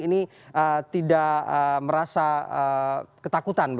ini tidak merasa ketakutan